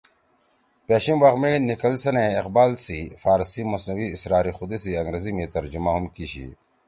پیشیِم وخ می نکلسن ئے اقبال سی فارسی مثنوی ”اسرارِ خودی“ سی انگریزی می ترجُمہ ہُم کی شی